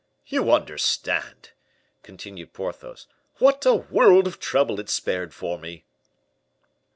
"You understand," continued Porthos, "what a world of trouble it spared for me."